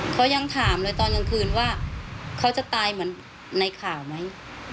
เขายังถามเลยตอนกลางคืนว่าเขาจะตายเหมือนในข่าวไหม